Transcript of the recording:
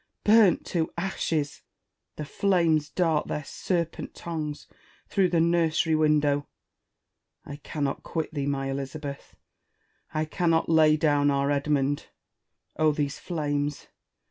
burnt to ashes ! The flames dart their serpent tongues through the nursery window. I cannot quit thee, my Elizabeth ! I cannot lay down our Edmund ! Oh, these flames